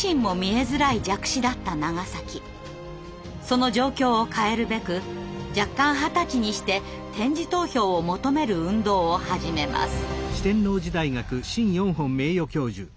その状況を変えるべく弱冠二十歳にして点字投票を求める運動を始めます。